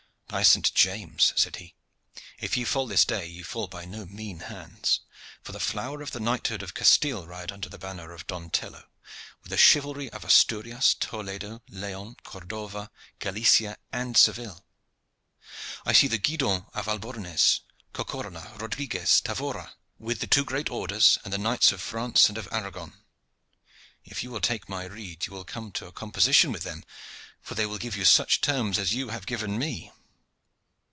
"By Saint James!" said he, "if ye fall this day ye fall by no mean hands, for the flower of the knighthood of Castile ride under the banner of Don Tello, with the chivalry of Asturias, Toledo, Leon, Cordova, Galicia, and Seville. I see the guidons of Albornez, Cacorla, Rodriguez, Tavora, with the two great orders, and the knights of France and of Aragon. If you will take my rede you will come to a composition with them, for they will give you such terms as you have given me."